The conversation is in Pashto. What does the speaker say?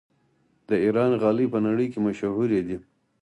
د ایران غالۍ په نړۍ کې مشهورې دي.